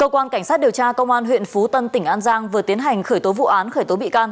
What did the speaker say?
cơ quan cảnh sát điều tra công an huyện phú tân tỉnh an giang vừa tiến hành khởi tố vụ án khởi tố bị can